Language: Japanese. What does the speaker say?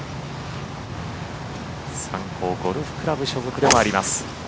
三甲ゴルフ倶楽部所属でもあります。